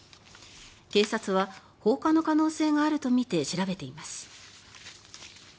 警察は放火の可能性があるとみて調べています。